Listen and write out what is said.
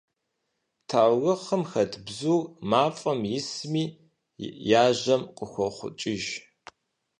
Таурыхъым хэт бзур, мафӀэм исми, яжьэм къыхохъукӀыж.